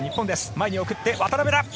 前に送って渡邊だ。